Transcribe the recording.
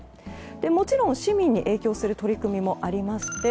もちろん市民に影響する取り組みもありまして